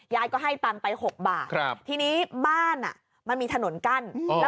ยายก็ให้ตังค์ไป๖บาททีนี้บ้านมันมีถนนกั้น